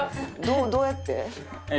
どうやって？